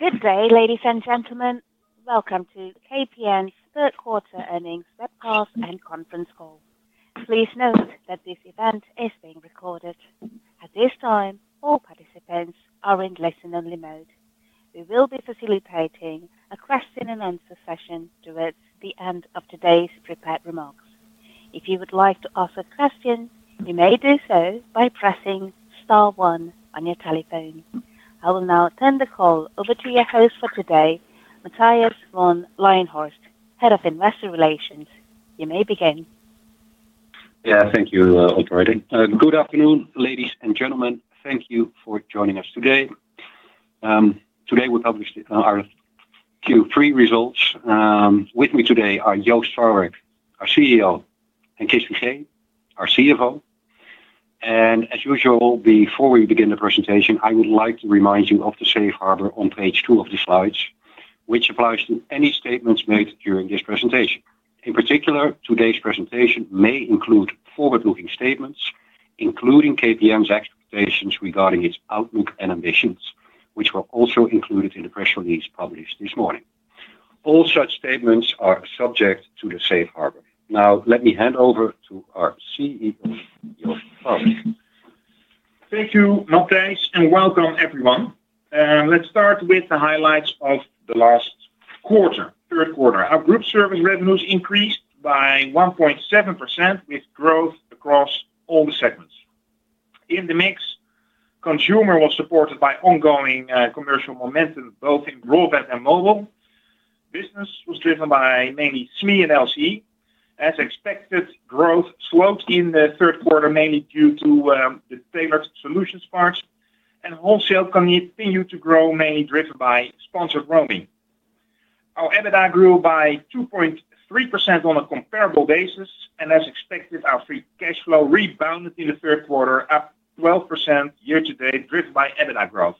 Good day, ladies and gentlemen. Welcome to KPN's third quarter earnings webcast and conference call. Please note that this event is being recorded. At this time, all participants are in listen-only mode. We will be facilitating a question-and-answer session towards the end of today's prepared remarks. If you would like to ask a question, you may do so by pressing star one on your telephone. I will now turn the call over to your host for today, Matthijs van Leijenhorst, Head of Investor Relations. You may begin. Yeah, thank you, operator. Good afternoon, ladies and gentlemen. Thank you for joining us today. Today, we published our Q3 results. With me today are Joost Farwerck, our CEO, and Chris Figee, our CFO. As usual, before we begin the presentation, I would like to remind you of the safe harbor on page two of the slides, which applies to any statements made during this presentation. In particular, today's presentation may include forward-looking statements, including KPN's expectations regarding its outlook and ambitions, which were also included in the press release published this morning. All such statements are subject to the safe harbor. Now, let me hand over to our CEO, Joost Farwerck. Thank you, Matthijs, and welcome, everyone. Let's start with the highlights of the last quarter, third quarter. Our group service revenues increased by 1.7% with growth across all the segments. In the mix, consumer was supported by ongoing commercial momentum, both in broadband and mobile. Business was driven by mainly SME and LC. As expected, growth slowed in the third quarter, mainly due to the tailored solutions parts. Wholesale continued to grow, mainly driven by sponsored roaming. Our EBITDA grew by 2.3% on a comparable basis. As expected, our free cash flow rebounded in the third quarter, up 12% year-to-date, driven by EBITDA growth.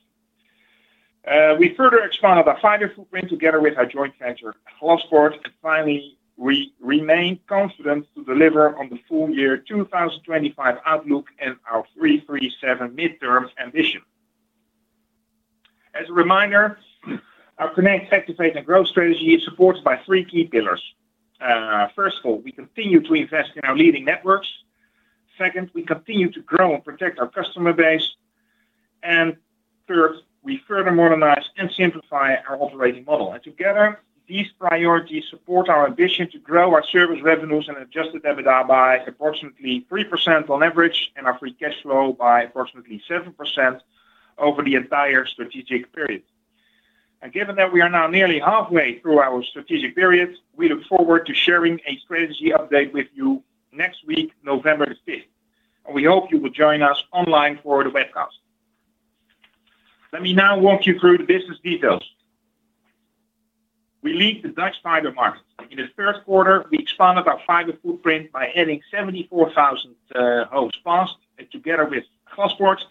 We further expanded our fiber footprint together with our joint venture, Glaspoort. Finally, we remain confident to deliver on the full year 2025 outlook and our 337 midterms ambition. As a reminder, our Connect, Activate, and Growth strategy is supported by three key pillars. First of all, we continue to invest in our leading networks. Second, we continue to grow and protect our customer base. Third, we further modernize and simplify our operating model. Together, these priorities support our ambition to grow our service revenues and adjusted EBITDA by approximately 3% on average and our free cash flow by approximately 7% over the entire strategic period. Given that we are now nearly halfway through our strategic period, we look forward to sharing a strategy update with you next week, November 5th. We hope you will join us online for the webcast. Let me now walk you through the business details. We lead the Dutch fiber market. In the third quarter, we expanded our fiber footprint by adding 74,000 homes passed together with Glaspoort.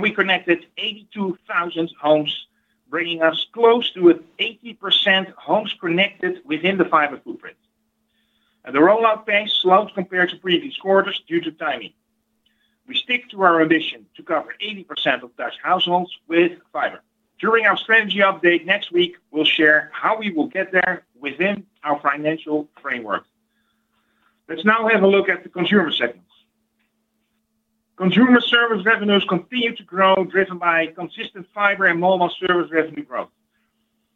We connected 82,000 homes, bringing us close to an 80% homes connected within the fiber footprint. The rollout pace slowed compared to previous quarters due to timing. We stick to our ambition to cover 80% of Dutch households with fiber. During our strategy update next week, we'll share how we will get there within our financial framework. Let's now have a look at the consumer segments. Consumer service revenues continue to grow, driven by consistent fiber and mobile service revenue growth.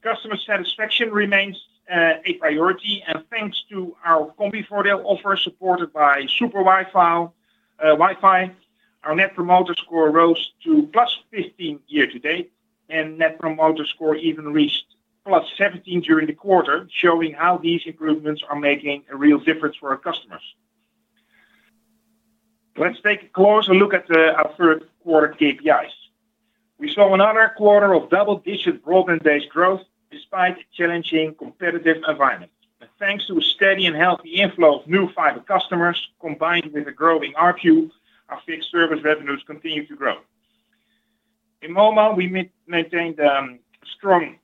Customer satisfaction remains a priority. Thanks to our Combi4Del offer supported by SuperWiFi, our Net Promoter Score rose to +15 year-to-date. Net Promoter Score even reached +17 during the quarter, showing how these improvements are making a real difference for our customers. Let's take a closer look at our third quarter KPIs. We saw another quarter of double-digit broadband-based growth despite a challenging competitive environment. Thanks to a steady and healthy inflow of new fiber customers, combined with a growing ARPU, our fixed service revenues continue to grow. In mobile, we maintained a strong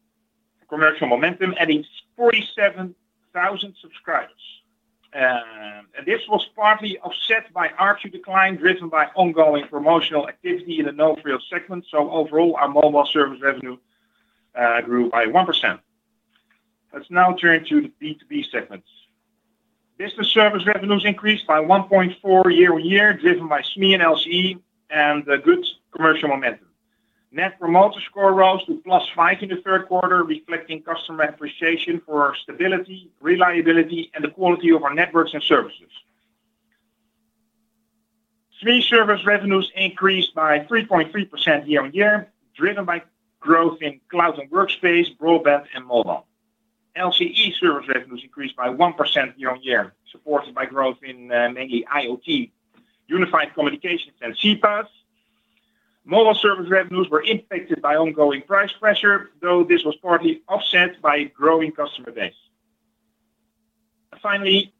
commercial momentum, adding 47,000 subscribers. This was partly offset by ARPU decline, driven by ongoing promotional activity in the no-frills segment. Overall, our mobile service revenue grew by 1%. Let's now turn to the B2B segments. Business service revenues increased by 1.4% year-on-year, driven by SME and LCE and good commercial momentum. Net Promoter Score rose to +5 in the third quarter, reflecting customer appreciation for stability, reliability, and the quality of our networks and services. SME service revenues increased by 3.3% year-on-year, driven by growth in cloud and workspace, broadband, and mobile. LCE service revenues increased by 1% year-on-year, supported by growth in mainly IoT, unified communications, and CPaaS. Mobile service revenues were impacted by ongoing price pressure, though this was partly offset by a growing customer base. Finally,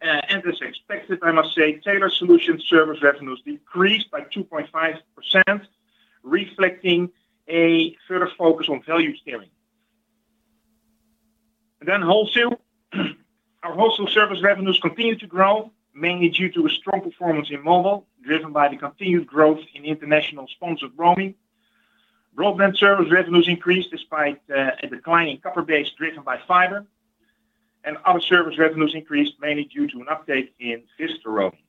as expected, I must say, tailored solutions service revenues decreased by 2.5%, reflecting a further focus on value sharing. Wholesale service revenues continue to grow, mainly due to a strong performance in mobile, driven by the continued growth in international sponsored roaming. Broadband service revenues increased despite a decline in copper-based, driven by fiber. Other service revenues increased, mainly due to an update in faster roaming.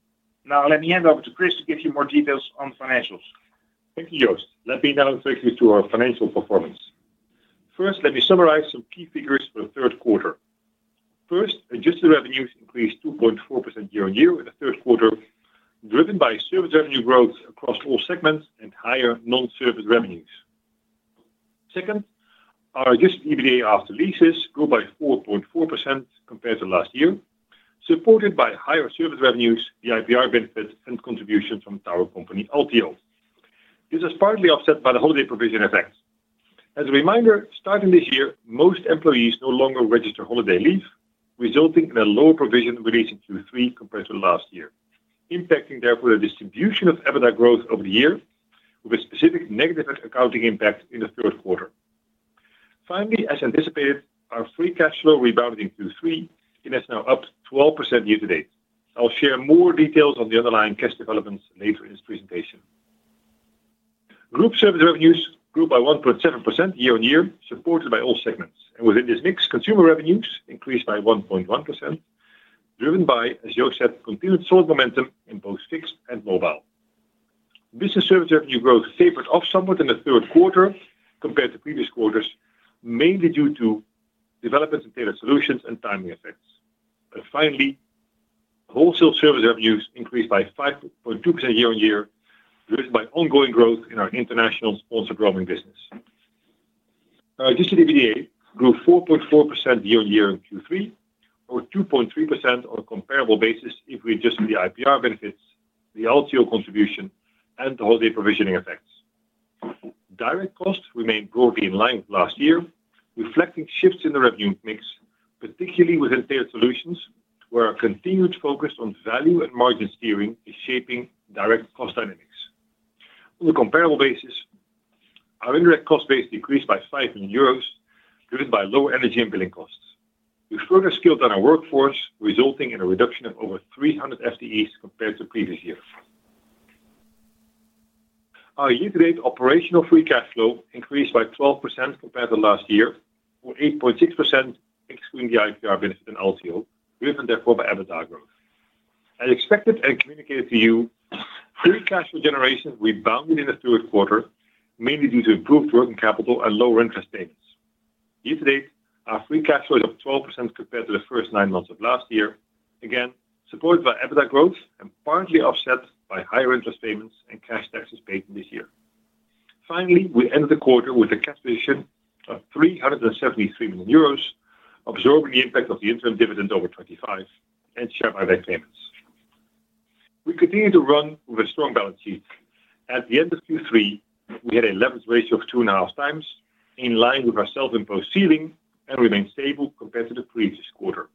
Now, let me hand over to Chris to give you more details on the financials. Thank you, Joost. Let me now take you to our financial performance. First, let me summarize some key figures for the third quarter. First, adjusted revenues increased 2.4% year-on-year in the third quarter, driven by service revenue growth across all segments and higher non-service revenues. Second, our adjusted EBITDA after leases grew by 4.4% compared to last year, supported by higher service revenues, the IPR benefits, and contributions from the Tower Company LTO. This is partly offset by the holiday provision effect. As a reminder, starting this year, most employees no longer register holiday leave, resulting in a lower provision release in Q3 compared to last year, impacting, therefore, the distribution of EBITDA growth over the year, with a specific negative accounting impact in the third quarter. Finally, as anticipated, our free cash flow rebounded in Q3 and is now up 12% year-to-date. I'll share more details on the underlying cash developments later in this presentation. Group service revenues grew by 1.7% year-on-year, supported by all segments. Within this mix, consumer revenues increased by 1.1%, driven by, as Joost said, continued solid momentum in both fixed and mobile. Business service revenue growth favored off somewhat in the third quarter compared to previous quarters, mainly due to developments in tailored solutions and timing effects. Finally, wholesale service revenues increased by 5.2% year-on-year, driven by ongoing growth in our international sponsored roaming business. Our adjusted EBITDA grew 4.4% year-on-year in Q3, or 2.3% on a comparable basis if we adjust for the IPR benefits, the LTO contribution, and the holiday provisioning effects. Direct costs remain broadly in line with last year, reflecting shifts in the revenue mix, particularly within tailored solutions, where a continued focus on value and margin steering is shaping direct cost dynamics. On a comparable basis, our indirect cost base decreased by 5 million euros, driven by lower energy and billing costs. We further scaled down our workforce, resulting in a reduction of over 300 FTEs compared to the previous year. Our year-to-date operational free cash flow increased by 12% compared to last year, or 8.6%, excluding the IPR benefit and LTO, driven, therefore, by EBITDA growth. As expected and communicated to you, free cash flow generation rebounded in the third quarter, mainly due to improved working capital and lower interest payments. Year-to-date, our free cash flow is up 12% compared to the first nine months of last year, again, supported by EBITDA growth and partly offset by higher interest payments and cash taxes paid in this year. Finally, we ended the quarter with a cash position of 373 million euros, absorbing the impact of the interim dividend over 2025 and share buyback payments. We continue to run with a strong balance sheet. At the end of Q3, we had a leverage ratio of 2.5x, in line with our self-imposed ceiling and remained stable compared to the previous quarter.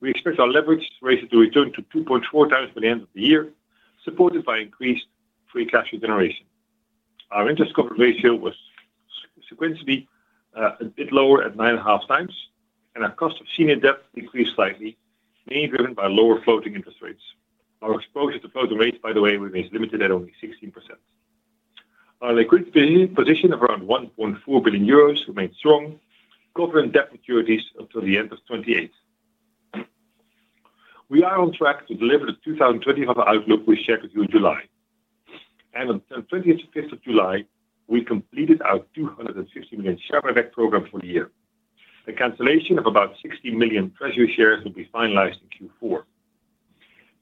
We expect our leverage ratio to return to 2.4x by the end of the year, supported by increased free cash flow generation. Our interest coverage ratio was sequentially a bit lower at 9.5x, and our cost of senior debt decreased slightly, mainly driven by lower floating interest rates. Our exposure to floating rates, by the way, remains limited at only 16%. Our liquidity position of around 1.4 billion euros remains strong, covering debt maturities until the end of 2028. We are on track to deliver the 2025 outlook we shared with you in July. On the 25th of July, we completed our 250 million share buyback program for the year. A cancellation of about 60 million treasury shares will be finalized in Q4.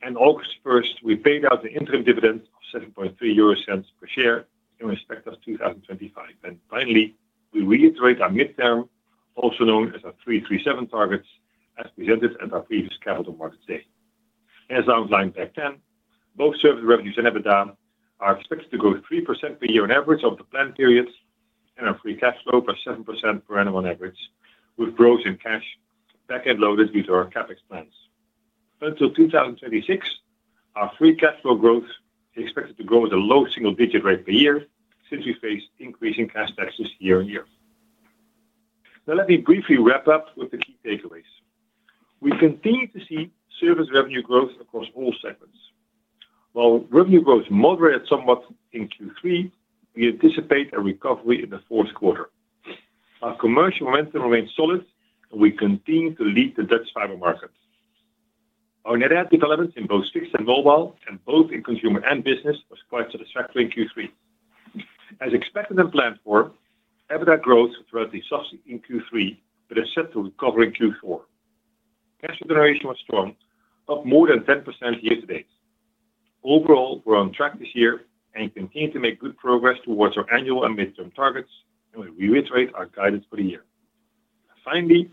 On August 1st, we paid out an interim dividend of 0.73 per share in respect of 2025. Finally, we reiterate our midterm, also known as our 337 targets, as presented at our previous capital market day. As I outlined back then, both service revenues and EBITDA are expected to grow 3% per year on average over the planned periods, and our free cash flow +7% per annum on average, with growth in cash back-end loaded due to our CapEx plans. Until 2026, our free cash flow growth is expected to grow at a low single-digit rate per year since we face increasing cash taxes year-on-year. Now, let me briefly wrap up with the key takeaways. We continue to see service revenue growth across all segments. While revenue growth moderated somewhat in Q3, we anticipate a recovery in the fourth quarter. Our commercial momentum remains solid, and we continue to lead the Dutch fiber market. Our net add developments in both fixed and mobile, and both in consumer and business, were quite satisfactory in Q3. As expected and planned for, EBITDA growth was relatively substantive in Q3, but is set to recover in Q4. Cash flow generation was strong, up more than 10% year-to-date. Overall, we're on track this year and continue to make good progress towards our annual and midterm targets. We reiterate our guidance for the year. Finally,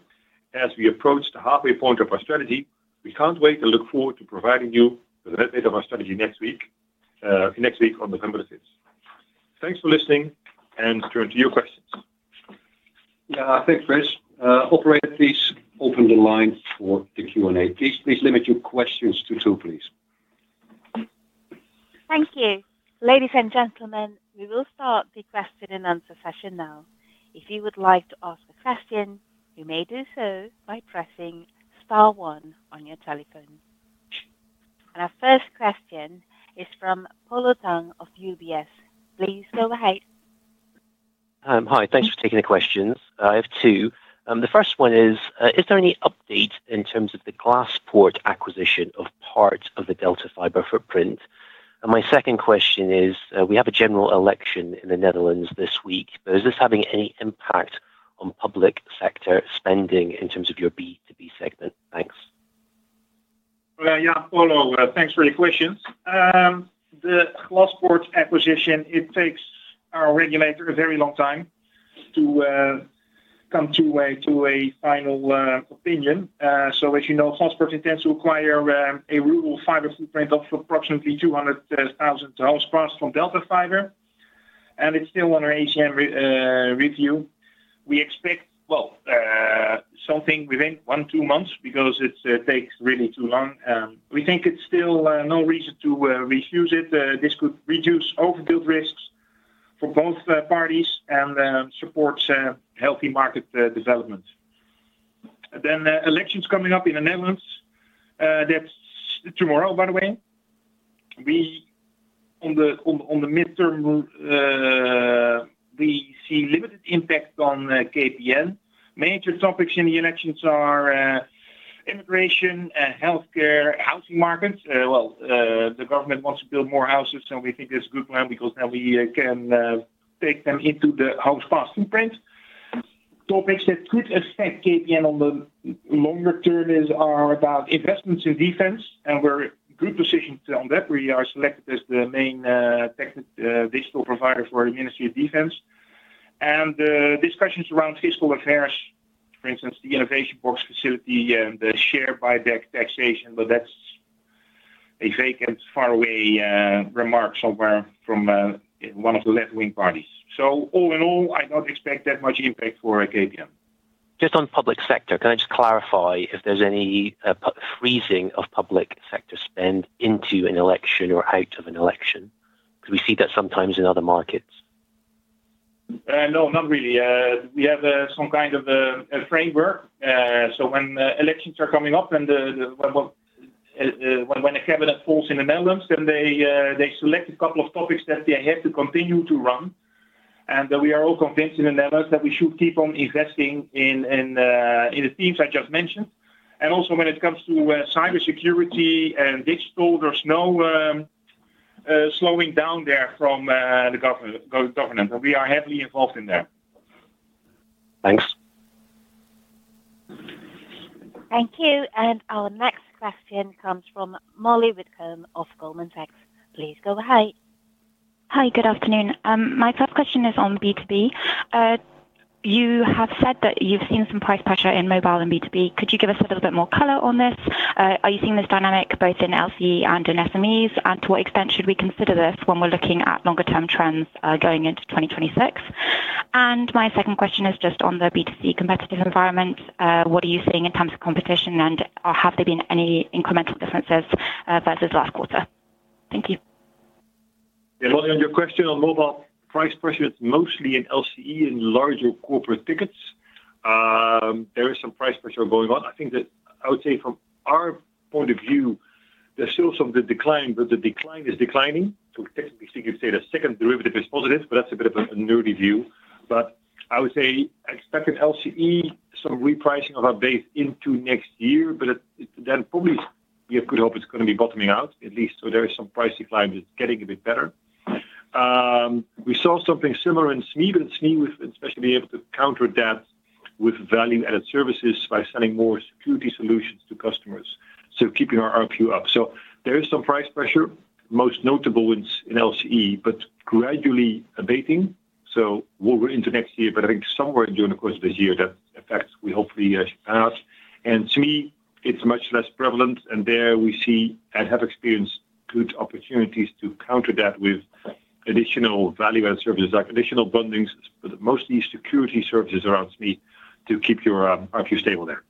as we approach the halfway point of our strategy, we can't wait to look forward to providing you with an update of our strategy next week, next week on November 5th. Thanks for listening, and turn to your questions. Yeah, thanks, Chris. Operator, please open the line for the Q&A. Please limit your questions to two. Thank you. Ladies and gentlemen, we will start the question and answer session now. If you would like to ask a question, you may do so by pressing star one on your telephone. Our first question is from Polo Tang of UBS. Please go ahead. Hi, thanks for taking the questions. I have two. The first one is, is there any update in terms of the Glaspoort acquisition of parts of the DELTA Fiber footprint? My second question is, we have a general election in the Netherlands this week. Is this having any impact on public sector spending in terms of your B2B segment? Thanks. Yeah, Polo, thanks for your questions. The Glaspoort acquisition, it takes our regulator a very long time to come to a final opinion. As you know, Glaspoort intends to acquire a rural fiber footprint of approximately 200,000 homes passed from DELTA Fiber, and it's still under ACM review. We expect something within one, two months because it takes really too long. We think it's still no reason to refuse it. This could reduce overbuild risks for both parties and support healthy market development. Elections are coming up in the Netherlands. That's tomorrow, by the way. On the midterm, we see limited impact on KPN. Major topics in the elections are immigration, healthcare, housing markets. The government wants to build more houses, and we think that's a good plan because now we can take them into the homes passed footprint. Topics that could affect KPN on the longer term are about investments in defense, and we're in a good position to own that. We are selected as the main technical digital provider for the Ministry of Defense. The discussions around fiscal affairs, for instance, the innovation box facility and the share buyback taxation, but that's a vague and faraway remark somewhere from one of the left-wing parties. All in all, I don't expect that much impact for KPN. Just on public sector, can I clarify if there's any freezing of public sector spend into an election or out of an election? Because we see that sometimes in other markets. No, not really. We have some kind of a framework. When elections are coming up and when a cabinet falls in the Netherlands, they select a couple of topics that they have to continue to run. We are all convinced in the Netherlands that we should keep on investing in the themes I just mentioned. Also, when it comes to cybersecurity and digital, there's no slowing down there from the government. We are heavily involved in there. Thanks. Thank you. Our next question comes from Molly Whitcomb of Goldman Sachs. Please go ahead. Hi, good afternoon. My first question is on B2B. You have said that you've seen some price pressure in mobile and B2B. Could you give us a little bit more color on this? Are you seeing this dynamic both in LC and in SMEs? To what extent should we consider this when we're looking at longer-term trends going into 2026? My second question is just on the B2C competitive environment. What are you seeing in terms of competition, and have there been any incremental differences versus last quarter? Thank you. Yeah, Molly, on your question on mobile, price pressure is mostly in LCE and larger corporate tickets. There is some price pressure going on. I think that I would say from our point of view, there's still some of the decline, but the decline is declining. Technically, you say the second derivative is positive, but that's a bit of an early view. I would say expect in LCE some repricing of our base into next year, but probably we have good hope it's going to be bottoming out, at least. There is some price decline that's getting a bit better. We saw something similar in SME, but in SME, we've especially been able to counter that with value-added services by selling more security solutions to customers, so keeping our ARPU up. There is some price pressure, most notable in LCE, but gradually abating. We'll wait until next year, but I think somewhere during the course of this year, that effect we hopefully should pan out. In SME, it's much less prevalent. There we see and have experienced good opportunities to counter that with additional value-added services, like additional bondings, but mostly security services around SME to keep your ARPU stable there.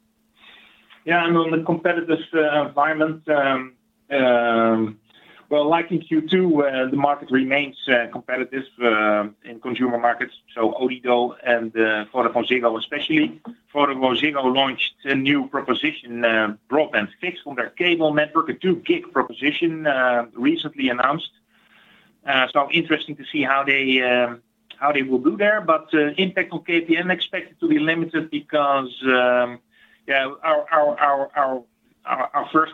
Yeah, and on the competitive environment, like in Q2, the market remains competitive in consumer markets. ODIDO and Florian Maag especially. Florian Maag launched a new proposition, broadband fixed on their cable network, a 2 Gb proposition recently announced. It is interesting to see how they will do there. The impact on KPN is expected to be limited because our first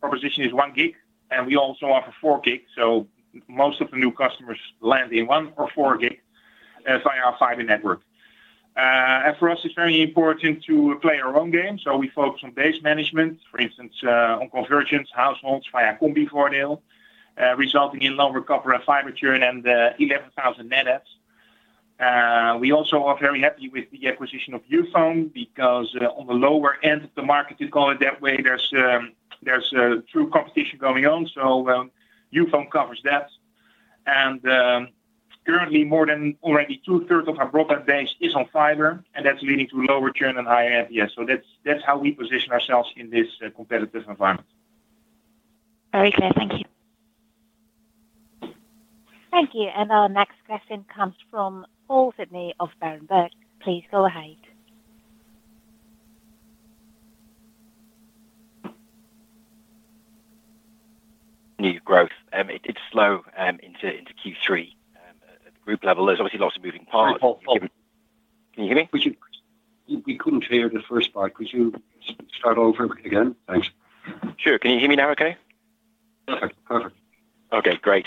proposition is 1 Gb, and we also offer 4 Gb. Most of the new customers land in 1 Gbor 4 Gb via our fiber network. For us, it's very important to play our own game. We focus on base management, for instance, on convergence households via Combi4Del, resulting in lower copper and fiber churn and 11,000 net adds. We also are very happy with the acquisition of Youfone because on the lower end of the market, to call it that way, there's true competition going on. Youfone covers that. Currently, more than already two-thirds of our broadband base is on fiber, and that's leading to lower churn and higher NPS. That's how we position ourselves in this competitive environment. Very clear. Thank you. Thank you. Our next question comes from Paul Sidney of Berenberg. Please go ahead. New growth. It's slow into Q3 at the group level. There's obviously lots of moving parts. Can you hear me? We couldn't hear the first part. Could you start over again? Thanks. Sure. Can you hear me now okay? Yep. Okay. Perfect. Okay. Great.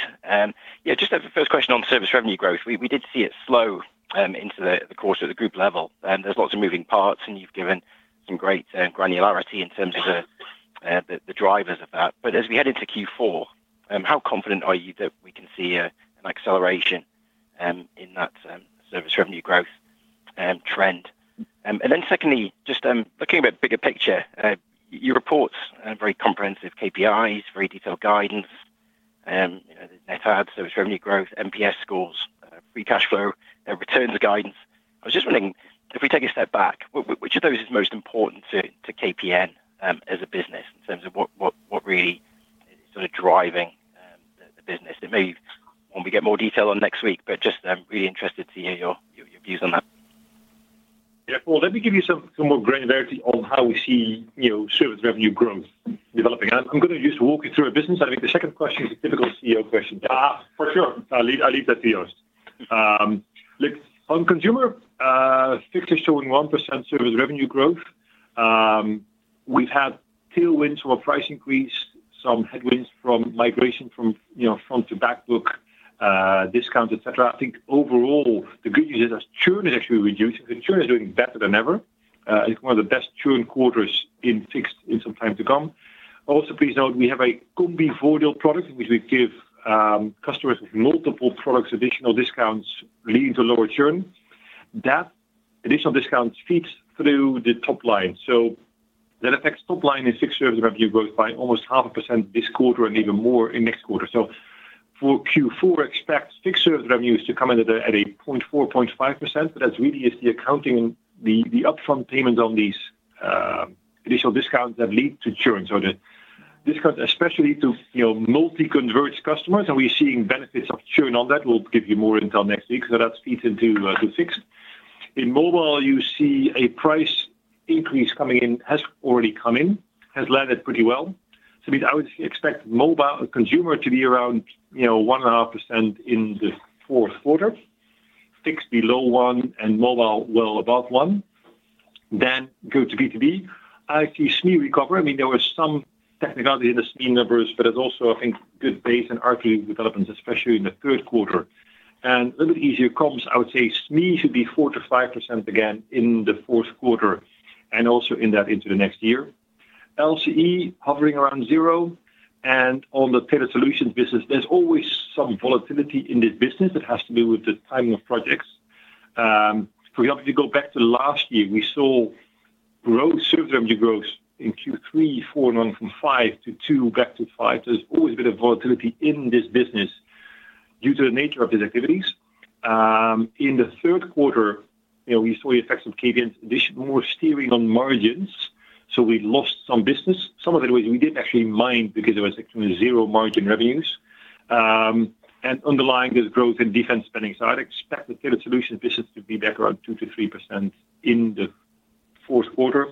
Yeah, just the first question on service revenue growth. We did see it slow into the quarter at the group level. There's lots of moving parts, and you've given some great granularity in terms of the drivers of that. As we head into Q4, how confident are you that we can see an acceleration in that service revenue growth trend? Secondly, just looking at the bigger picture, your reports are very comprehensive KPIs, very detailed guidance. There's net adds, service revenue growth, NPS scores, free cash flow, and returns guidance. I was just wondering, if we take a step back, which of those is most important to KPN as a business in terms of what really is sort of driving the business? Maybe we get more detail on next week, but just I'm really interested to hear your views on that. Yeah, Paul, let me give you some more granularity on how we see service revenue growth developing. I'm going to just walk you through a business. I think the second question is a difficult CEO question. Yeah, for sure. I'll leave that to you, Joost. Look, on consumer, fixed is showing 1% service revenue growth. We've had tailwinds from a price increase, some headwinds from migration from front to backbook, discounts, etc. I think overall, the good news is that churn is actually reducing. The churn is doing better than ever. I think one of the best churn quarters in fixed in some time to come. Also, please note, we have a Combi4Del product in which we give customers with multiple products additional discounts leading to lower churn. That additional discount feeds through the top line. That affects top line in fixed service revenue growth by almost 0.5% this quarter and even more in next quarter. For Q4, expect fixed service revenues to come in at a 0.4%, 0.5%. That really is the accounting and the upfront payments on these additional discounts that lead to churn. The discounts especially to multi-converged customers, and we're seeing benefits of churn on that. We'll give you more intel next week. That feeds into fixed. In mobile, you see a price increase coming in, has already come in, has landed pretty well. I would expect mobile consumer to be around 1.5% in the fourth quarter. Fixed below 1% and mobile well above 1%. In B2B, I see SME recover. There were some technicalities in the SME numbers, but it's also, I think, good base and ARPU developments, especially in the third quarter. A little bit easier comps, I would say, SME should be 4%-5% again in the fourth quarter, and also in that into the next year. LCE hovering around 0%. On the tailored solutions business, there's always some volatility in this business that has to do with the timing of projects. For example, if you go back to last year, we saw growth, service revenue growth in Q3, four, and then from five to two, back to five. There's always a bit of volatility in this business due to the nature of these activities. In the third quarter, we saw the effects of KPN's additional more steering on margins. We lost some business. Some of it we did actually mind because it was actually zero margin revenues. Underlying this, growth in defense spending. I'd expect the tailored solutions business to be back around 2%-3% in the fourth quarter,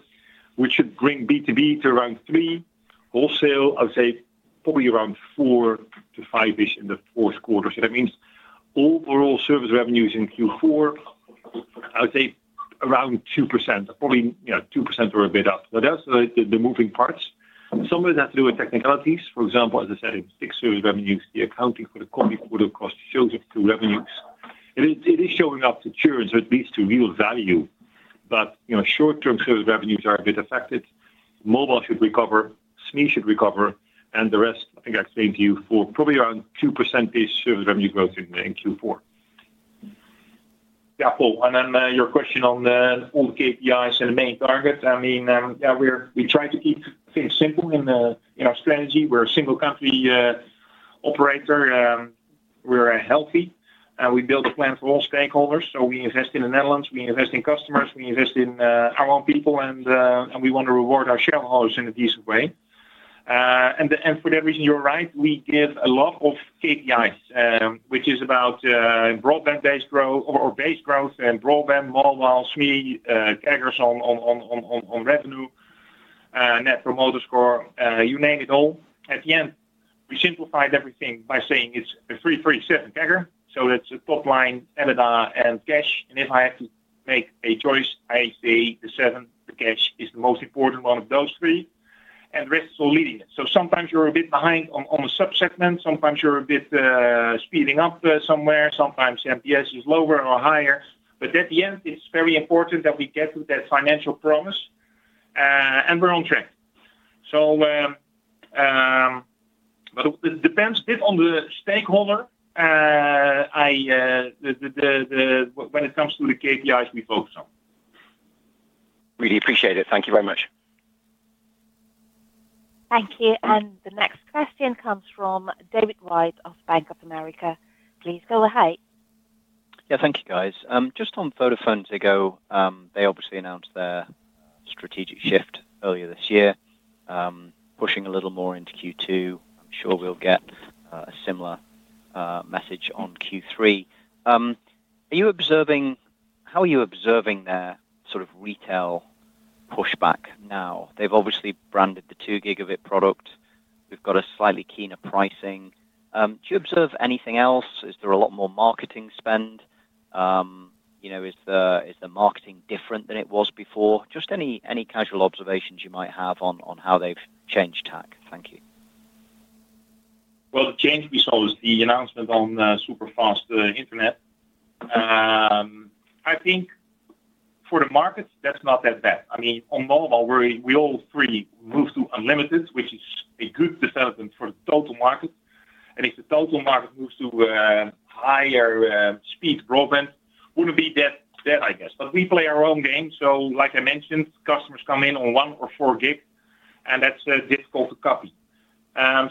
which should bring B2B to around 3. Wholesale, I would say probably around 4%-5%-ish in the fourth quarter. That means overall service revenues in Q4, I would say around 2%. Probably 2% or a bit up. That's the moving parts. Some of it has to do with technicalities. For example, as I said, fixed service revenues, the accounting for the common quarter cost shows up through revenues. It is showing up to churn, so it leads to real value. Short-term service revenues are a bit affected. Mobile should recover. SME should recover. The rest, I think I explained to you, for probably around 2%-ish service revenue growth in Q4. Yeah, Paul. Your question on all the KPIs and the main targets. We try to keep things simple in our strategy. We're a single-country operator. We're healthy, and we build a plan for all stakeholders. We invest in the Netherlands, we invest in customers, we invest in our own people, and we want to reward our shareholders in a decent way. For that reason, you're right. We give a lot of KPIs, which is about broadband base growth or base growth in broadband, mobile, SME, CAGRs on revenue, Net Promoter Score, you name it all. At the end, we simplified everything by saying it's a 337 CAGR. That's the top line, EBITDA, and cash. If I have to make a choice, I say the seven, the cash, is the most important one of those three. The rest is all leading it. Sometimes you're a bit behind on a subsegment, sometimes you're a bit speeding up somewhere, sometimes the NPS is lower or higher. At the end, it's very important that we get to that financial promise, and we're on track. It depends a bit on the stakeholder when it comes to the KPIs we focus on. Really appreciate it. Thank you very much. Thank you. The next question comes from David Wright of Bank of America. Please go ahead. Yeah, thank you, guys. Just on VodafoneZiggo, they obviously announced their strategic shift earlier this year, pushing a little more into Q2. I'm sure we'll get a similar message on Q3. Are you observing, how are you observing their sort of retail pushback now? They've obviously branded the 2 Gb product. We've got a slightly keener pricing. Do you observe anything else? Is there a lot more marketing spend? You know, is the marketing different than it was before? Just any casual observations you might have on how they've changed tack. Thank you. The change we saw was the announcement on super fast internet. I think for the market, that's not that bad. I mean, on mobile, we all three move to unlimited, which is a good development for the total market. If the total market moves to a higher speed broadband, it wouldn't be that bad, I guess. We play our own game. Like I mentioned, customers come in on 1 Gb or 4 Gb, and that's difficult to copy.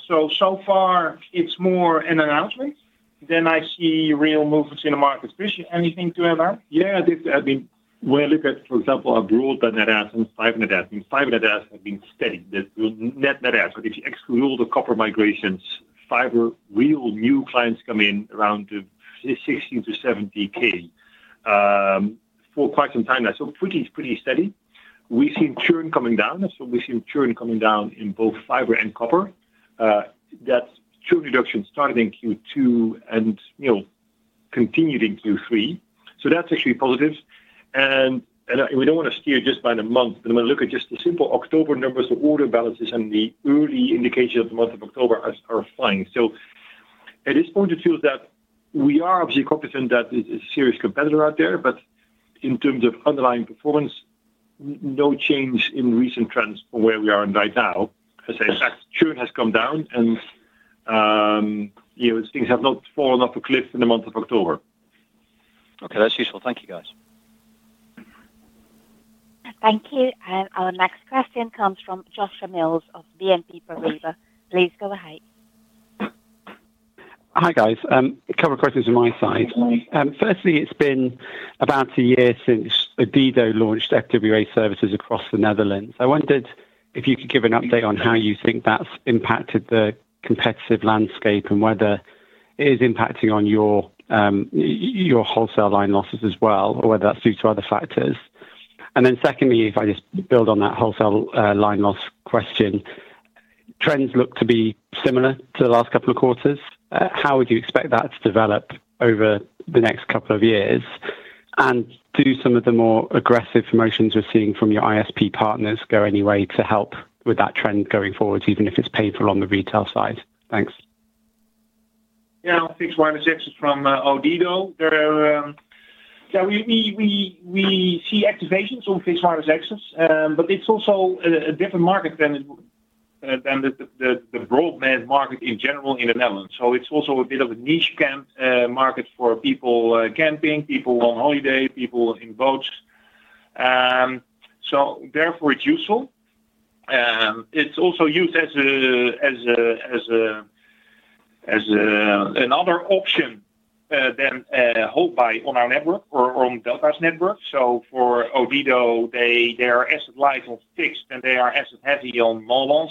So far, it's more an announcement than I see real movements in the market. Chris, you have anything to add on? Yeah, I mean, when I look at, for example, our broadband add-ons and fiber add-ons, fiber add-ons have been steady. That will net add-ons, but if you exclude all the copper migrations, fiber, real new clients come in around 16,000 to 17,000 for quite some time now. Pretty steady. We've seen churn coming down. We've seen churn coming down in both fiber and copper. That churn reduction started in Q2 and continued in Q3. That's actually positive. We don't want to steer just by the month. When I look at just the simple October numbers, the order balances and the early indications of the month of October are fine. At this point, it feels that we are obviously cognizant that there's a serious competitor out there. In terms of underlying performance, no change in recent trends from where we are in right now. I say, in fact, churn has come down and things have not fallen off a cliff in the month of October. Okay, that's useful. Thank you, guys. Thank you. Our next question comes from Joshua Mills of BNP Paribas Exane. Please go ahead. Hi, guys. A couple of questions on my side. Firstly, it's been about a year since ODIDO launched FWA services across the Netherlands. I wondered if you could give an update on how you think that's impacted the competitive landscape and whether it is impacting on your wholesale line losses as well, or whether that's due to other factors. Secondly, if I just build on that wholesale line loss question, trends look to be similar to the last couple of quarters. How would you expect that to develop over the next couple of years? Do some of the more aggressive promotions we're seeing from your ISP partners go any way to help with that trend going forward, even if it's painful on the retail side? Thanks. Yeah, fixed wireless access from ODIDO. We see activations on fixed wireless access, but it's also a different market than the broadband market in general in the Netherlands. It's also a bit of a niche camp market for people camping, people on holiday, people in boats. Therefore, it's useful. It's also used as another option than hold by on our network or on Delta Fiber's network. For ODIDO, their asset lies on fixed and they are asset-heavy on mobile.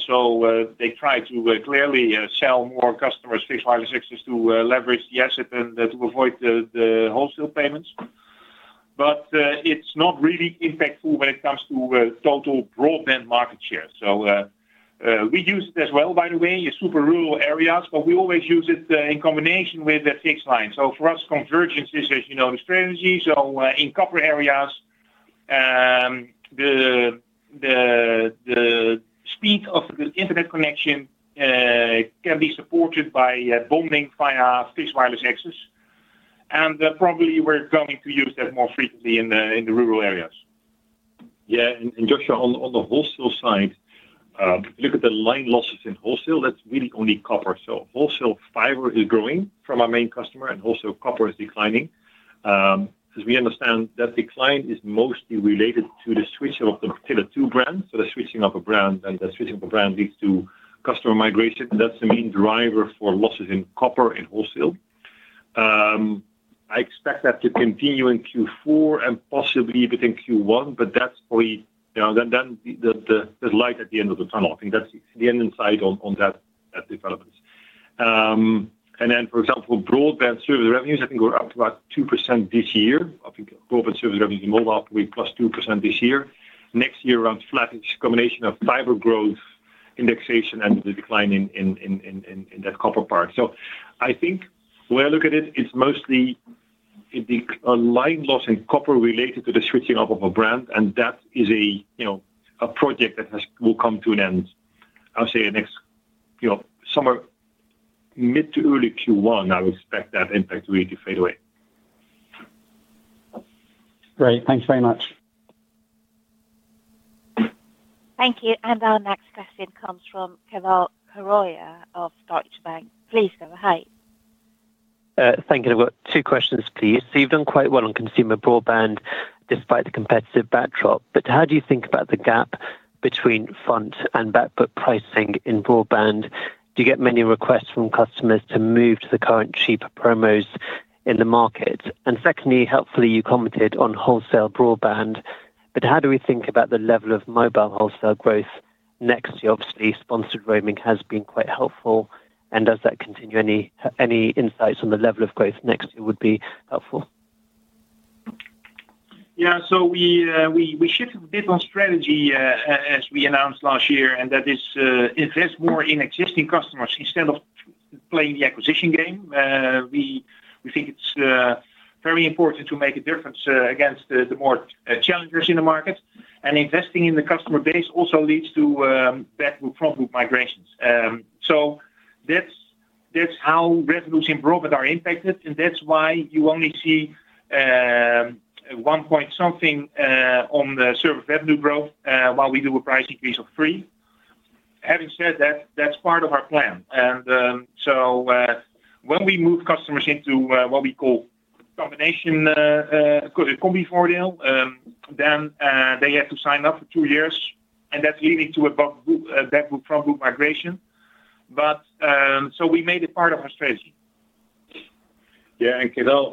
They try to clearly sell more customers fixed wireless access to leverage the asset and to avoid the wholesale payments. It's not really impactful when it comes to total broadband market share. We use it as well, by the way, in super rural areas, but we always use it in combination with the fixed line. For us, convergence is, as you know, the strategy. In copper areas, the speed of the internet connection can be supported by bonding via fixed wireless access. Probably we're going to use that more frequently in the rural areas. Yeah. Joshua, on the wholesale side, if you look at the line losses in wholesale, that's really only copper. Wholesale fiber is growing from our main customer and wholesale copper is declining. As we understand, that decline is mostly related to the switching of the tailored to brand. The switching of a brand and the switching of a brand leads to customer migration. That's the main driver for losses in copper and wholesale. I expect that to continue in Q4 and possibly within Q1, but that's probably then the light at the end of the tunnel. I think that's the end in sight on that development. For example, broadband service revenues, I think we're up to about 2% this year. I think broadband service revenues in mobile will be plus 2% this year. Next year, around flat, it's a combination of fiber growth, indexation, and the decline in that copper part. The way I look at it, it's mostly a line loss in copper related to the switching off of a brand. That is a project that will come to an end. I would say the next somewhere mid to early Q1, I would expect that impact to really fade away. Great. Thanks very much. Thank you. Our next question comes from Keval Khiroya of Deutsche Bank. Please go ahead. Thank you. I've got two questions, please. You've done quite well on consumer broadband despite the competitive backdrop. How do you think about the gap between front and backbook pricing in broadband? Do you get many requests from customers to move to the current cheaper promos in the market? Secondly, hopefully, you commented on wholesale broadband. How do we think about the level of mobile wholesale growth next year? Obviously, sponsored roaming has been quite helpful. Does that continue? Any insights on the level of growth next year would be helpful. Yeah. We shifted a bit on strategy as we announced last year, and that is invest more in existing customers instead of playing the acquisition game. We think it's very important to make a difference against the more challengers in the market. Investing in the customer base also leads to backbook/frontbook migrations. That's how revenues in broadband are impacted. That's why you only see one point something on the service revenue growth while we do a price increase of 3%. Having said that, that's part of our plan. When we move customers into what we call a combination because it's Combi4Del, they have to sign up for two years. That's leading to a backbook/frontbook migration. We made it part of our strategy. Yeah. Keval,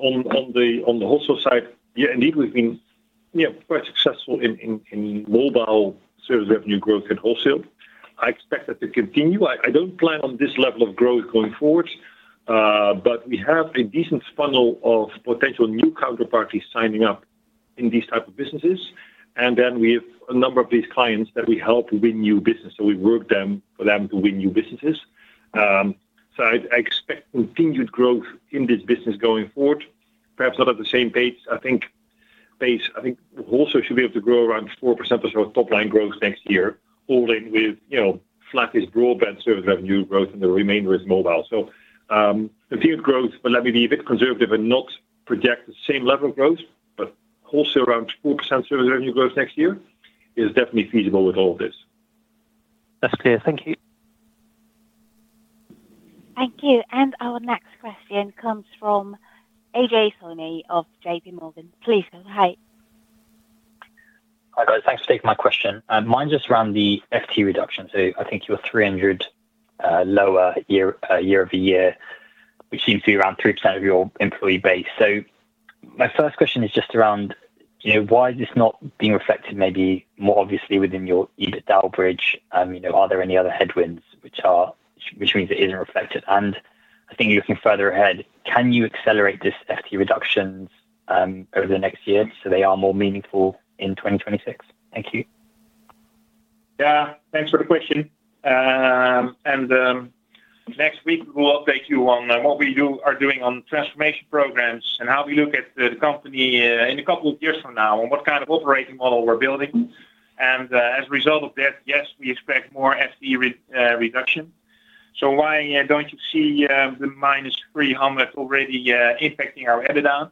on the wholesale side, we've been quite successful in mobile service revenue growth in wholesale. I expect that to continue. I don't plan on this level of growth going forward, but we have a decent funnel of potential new counterparties signing up in these types of businesses. We have a number of these clients that we help win new business. We work for them to win new businesses, so I expect continued growth in this business going forward, perhaps not at the same pace. I think wholesale should be able to grow around 4% of our top line growth next year, all in with flattest broadband service revenue growth and the remainder is mobile. Continued growth, but let me be a bit conservative and not project the same level of growth. Wholesale, around 4% service revenue growth next year is definitely feasible with all of this. That's clear. Thank you. Thank you. Our next question comes from Ajay Soni of JPMorgan. Please go ahead. Hi, guys. Thanks for taking my question. Mine's just around the FTE reduction. I think you were 300 lower year-over-year, which seems to be around 3% of your employee base. My first question is just around, you know, why is this not being reflected maybe more obviously within your EBITDA outreach? Are there any other headwinds which are, which means it isn't reflected? I think you're looking further ahead. Can you accelerate this FTE reduction over the next year so they are more meaningful in 2026? Thank you. Yeah. Thanks for the question. Next week, we will update you on what we are doing on transformation programs and how we look at the company in a couple of years from now and what kind of operating model we're building. As a result of that, yes, we expect more FTE reduction. Why don't you see the -300 already impacting our EBITDA?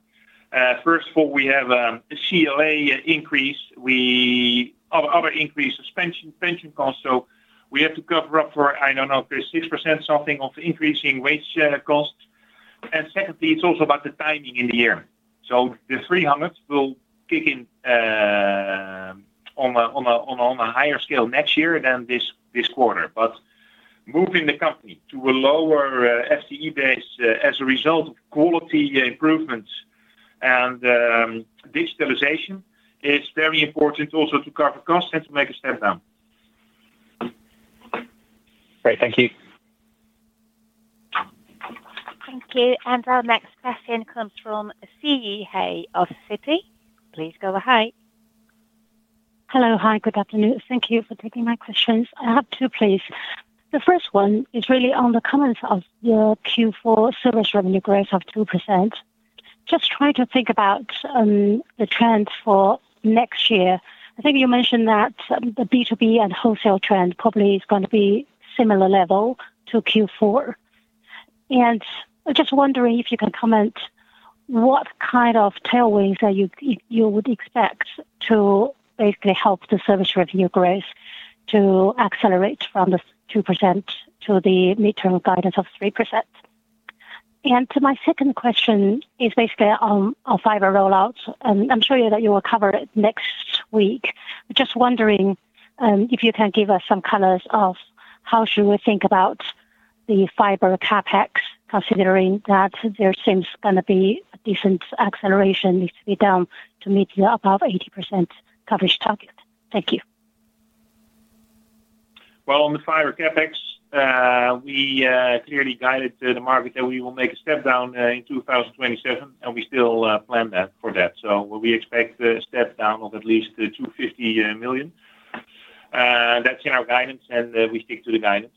First of all, we have a CLA increase, other increases of pension costs. We have to cover up for, I don't know, Chris, 6% something of increasing wage costs. Secondly, it's also about the timing in the year. The 300 will kick in on a higher scale next year than this quarter. Moving the company to a lower FTE base as a result of quality improvements and digitalization is very important also to cover costs and to make a step down. Great. Thank you. Thank you. Our next question comes from Siyi He of Citi. Please go ahead. Hello. Hi. Good afternoon. Thank you for taking my questions. I have two, please. The first one is really on the comments of your Q4 service revenue growth of 2%. Just trying to think about the trends for next year. I think you mentioned that the B2B and wholesale trend probably is going to be a similar level to Q4. I'm just wondering if you can comment what kind of tailwinds that you would expect to basically help the service revenue growth to accelerate from the 2% to the midterm guidance of 3%. My second question is basically on our fiber rollout. I'm sure that you will cover it next week. I'm just wondering if you can give us some colors of how should we think about the fiber CapEx considering that there seems going to be a decent acceleration needs to be done to meet the above 80% coverage target. Thank you. On the fiber CapEx, we clearly guided the market that we will make a step down in 2027. We still plan for that. We expect a step down of at least 250 million. That's in our guidance, and we stick to the guidance.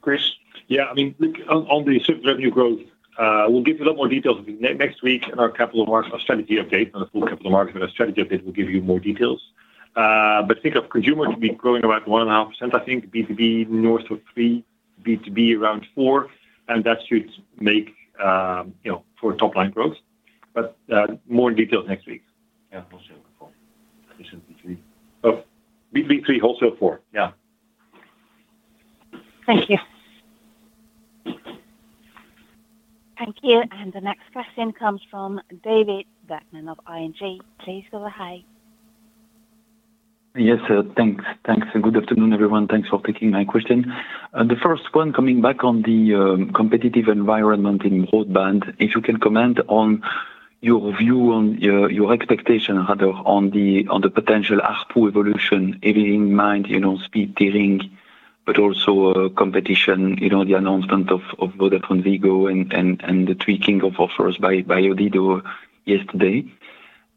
Chris? Yeah. I mean, look, on the service revenue growth, we'll give you a lot more details next week in our capital market strategy update. Not a full capital market, but a strategy update will give you more details. Think of consumer to be growing about 1.5%, B2B north of 3%, B2B around 4%. That should make for top line growth. More in details next week. Yeah, wholesale for B2B three, wholesale four. Yeah. Thank you. Thank you. The next question comes from David Vagman of ING. Please go ahead. Yes, thanks. Good afternoon, everyone. Thanks for taking my question. The first one, coming back on the competitive environment in broadband, if you can comment on your view, on your expectation, rather, on the potential ARPU evolution, everything in mind, you know, speed tiering, but also competition, you know, the announcement of VodafoneZiggo and the tweaking of offers by ODIDO yesterday.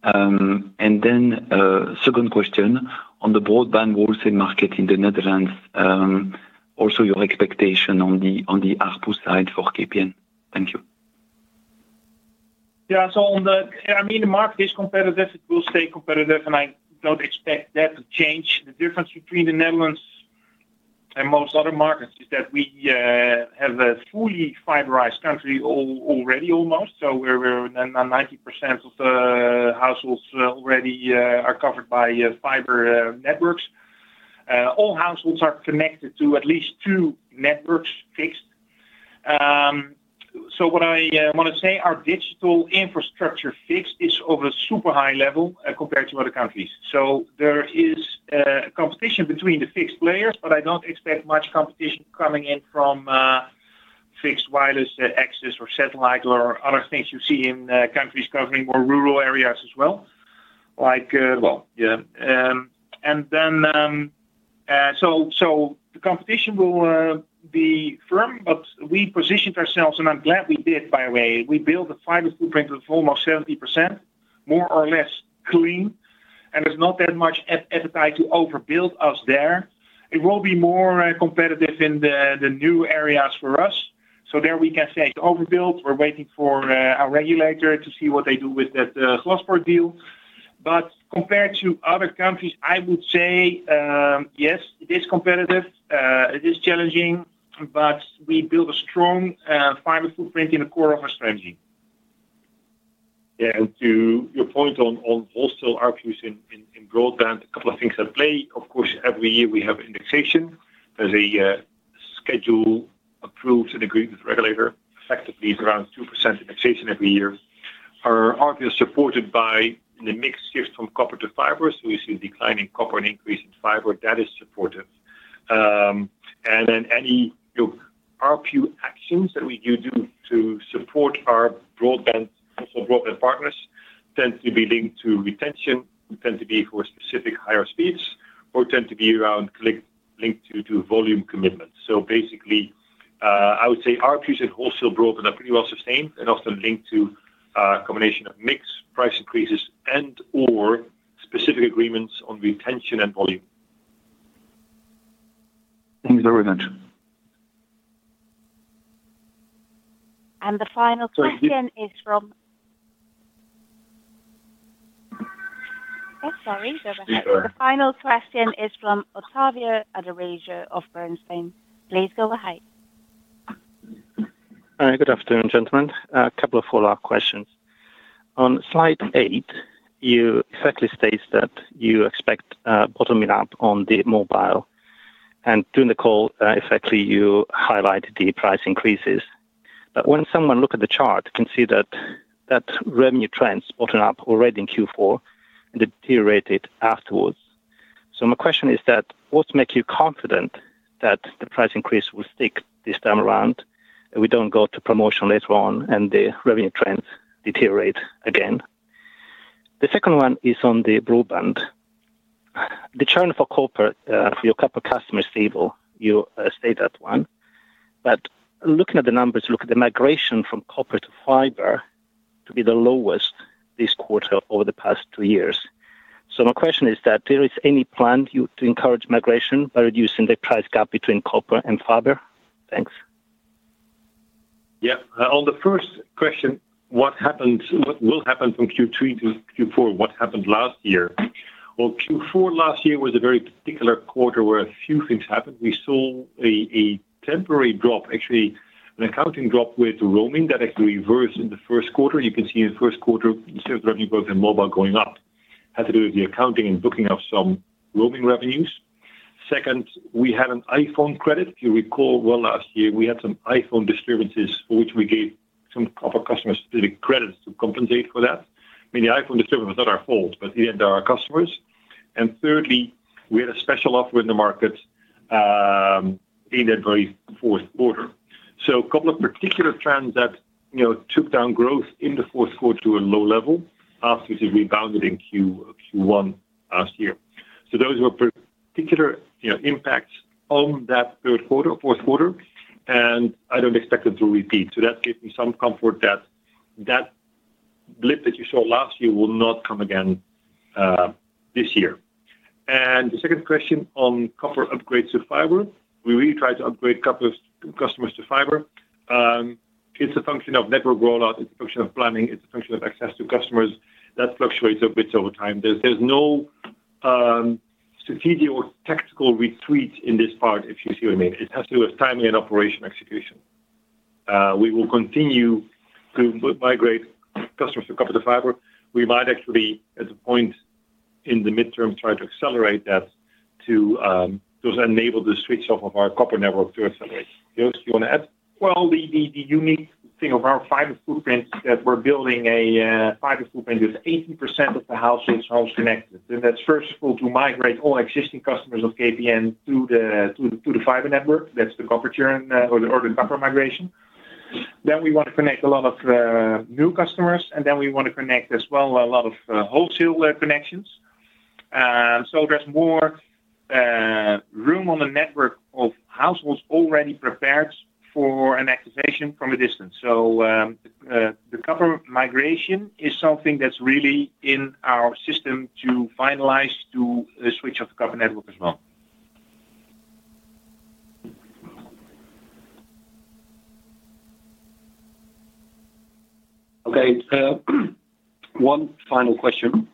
A second question on the broadband wholesale market in the Netherlands, also your expectation on the ARPU side for KPN. Thank you. Yeah. On the, I mean, the market is competitive. It will stay competitive, and I don't expect that to change. The difference between the Netherlands and most other markets is that we have a fully fiberized country already, almost. We're in, 90% of the households already are covered by fiber networks. All households are connected to at least two fixed networks. What I want to say is our digital infrastructure, fixed, is of a super high level compared to other countries. There is competition between the fixed players, but I don't expect much competition coming in from fixed wireless access or satellite or other things you see in countries covering more rural areas as well. The competition will be firm, but we positioned ourselves, and I'm glad we did, by the way. We built a fiber footprint of almost 70%, more or less clean. There's not that much appetite to overbuild us there. It will be more competitive in the new areas for us. There we can say to overbuild. We're waiting for our regulator to see what they do with that Glaspoort deal. Compared to other countries, I would say, yes, it is competitive. It is challenging, but we build a strong fiber footprint in the core of our strategy. Yeah. To your point on wholesale ARPUs in broadband, a couple of things at play. Of course, every year we have indexation. There's a schedule approved and agreed with the regulator. Effectively, it's around 2% indexation every year. Our ARPU is supported by, in the mix, shift from copper to fiber. We see a decline in copper and increase in fiber. That is supportive. Any ARPU actions that we do to support our wholesale broadband partners tend to be linked to retention, tend to be for specific higher speeds, or tend to be linked to volume commitments. Basically, I would say ARPUs in wholesale broadband are pretty well sustained and often linked to a combination of mix, price increases, and/or specific agreements on retention and volume. Thanks very much. The final question is from. Yes, sorry. Please, go ahead. The final question is from Ottavio Adorisio of Bernstein. Please go ahead. All right. Good afternoon, gentlemen. A couple of follow-up questions. On slide eight, you exactly state that you expect a bottoming up on the mobile. During the call, effectively, you highlighted the price increases. When someone looks at the chart, you can see that revenue trends bottomed up already in Q4 and deteriorated afterwards. My question is what makes you confident that the price increase will stick this time around and we don't go to promotion later on and the revenue trends deteriorate again? The second one is on the broadband. The churn for corporate for your couple of customers is stable, you state that one. Looking at the numbers, look at the migration from copper to fiber to be the lowest this quarter over the past two years. My question is that there is any plan to encourage migration by reducing the price gap between copper and fiber? Thanks. On the first question, what happened? What will happen from Q3 to Q4? What happened last year? Q4 last year was a very particular quarter where a few things happened. We saw a temporary drop, actually, an accounting drop with roaming that actually reversed in the first quarter. You can see in the first quarter, service revenue growth in mobile going up. It had to do with the accounting and booking of some roaming revenues. Second, we had an iPhone credit. If you recall well, last year, we had some iPhone disturbances for which we gave some of our customers specific credits to compensate for that. I mean, the iPhone disturbance was not our fault, but it ended our customers. Thirdly, we had a special offer in the market in that very fourth quarter. A couple of particular trends took down growth in the fourth quarter to a low level after we rebounded in Q1 last year. Those were particular impacts on that third quarter or fourth quarter. I don't expect them to repeat. That gives me some comfort that that blip that you saw last year will not come again this year. The second question on copper upgrades to fiber. We really tried to upgrade customers to fiber. It's a function of network rollout. It's a function of planning. It's a function of access to customers that fluctuates a bit over time. There's no strategic or tactical retreat in this part, if you see what I mean. It has to do with timing and operation execution. We will continue to migrate customers to copper to fiber. We might actually, at the point in the midterms, try to accelerate that to enable the switch off of our copper network to accelerate. Joost, do you want to add? The unique thing of our fiber footprint is that we're building a fiber footprint with 80% of the households connected. That's first of all to migrate all existing customers of KPN to the fiber network. That's the copper churn or the copper migration. We want to connect a lot of new customers, and we want to connect as well a lot of wholesale connections. There's more room on the network of households already prepared for an activation from a distance. The copper migration is something that's really in our system to finalize to a switch off the copper network as well. Okay. One final question.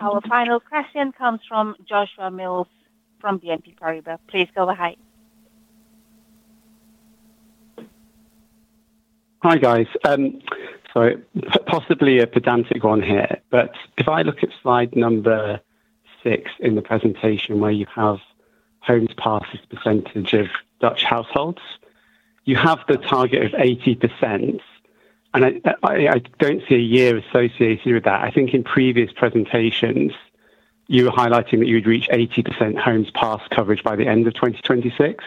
Our final question comes from Joshua Mills from BNP Paribas. Please go ahead. Hi, guys. Sorry, possibly a pedantic one here. If I look at slide number six in the presentation where you have homes passed as a percentage of Dutch households, you have the target of 80%. I don't see a year associated with that. I think in previous presentations, you were highlighting that you would reach 80% homes passed coverage by the end of 2026.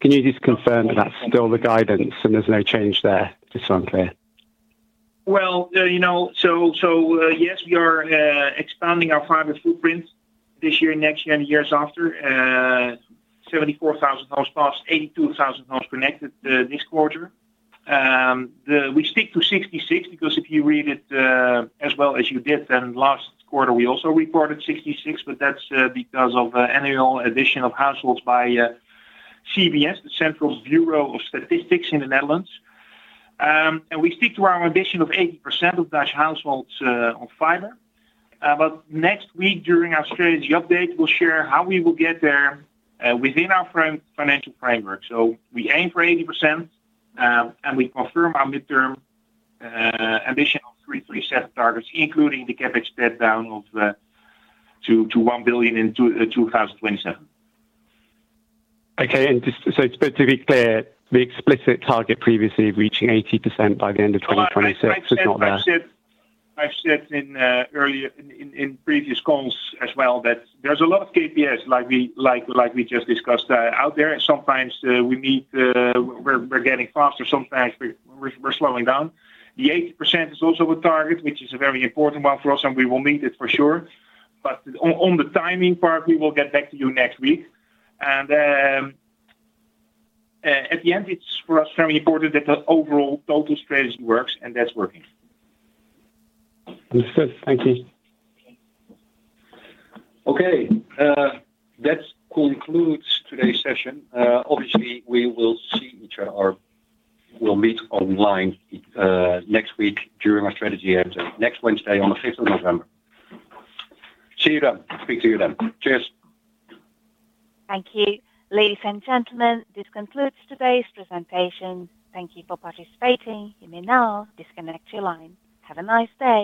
Can you just confirm that that's still the guidance and there's no change there just so I'm clear? Yes, we are expanding our fiber footprint this year, next year, and the years after. 74,000 homes passed, 82,000 homes connected this quarter. We stick to 66 because if you read it as well as you did, then last quarter we also recorded 66, but that's because of an annual addition of households by CBS, the Central Bureau of Statistics in the Netherlands. We stick to our ambition of 80% of Dutch households on fiber. Next week, during our strategy update, we'll share how we will get there within our financial framework. We aim for 80% and we confirm our midterm ambition of 337 targets, including the CapEx step down to 1 billion in 2027. Okay. Just so it's clear, the explicit target previously of reaching 80% by the end of 2026 is not there. I've said in previous calls as well that there's a lot of KPIs like we just discussed out there. Sometimes we meet, we're getting faster. Sometimes we're slowing down. The 80% is also a target, which is a very important one for us, and we will meet it for sure. On the timing part, we will get back to you next week. At the end, it's for us very important that the overall total strategy works and that's working. Understood. Thank you. Okay. That concludes today's session. Obviously, we will see each other. We'll meet online next week during our strategy event next Wednesday on the 5th of November. See you then. Speak to you then. Cheers. Thank you. Ladies and gentlemen, this concludes today's presentation. Thank you for participating. You may now disconnect your line. Have a nice day.